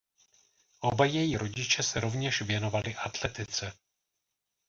Oba její rodiče se rovněž věnovali atletice.